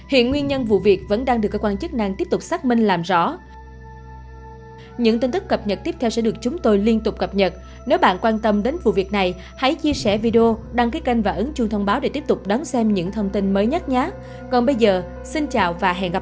hiện nguyên nhân vụ việc vẫn đang được cơ quan chức năng tiếp tục xác minh làm rõ